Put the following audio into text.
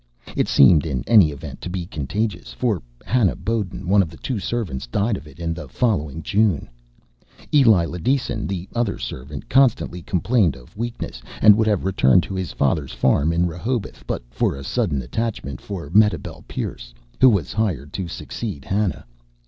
It seemed, in any event, to be contagious; for Hannah Bowen, one of the two servants, died of it in the following June. Eli Lideason, the other servant, constantly complained of weakness; and would have returned to his father's farm in Rehoboth but for a sudden attachment for Mehitabel Pierce, who was hired to succeed Hannah.